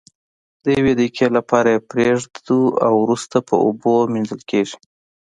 د یوې دقیقې لپاره یې پریږدو او وروسته په اوبو مینځل کیږي.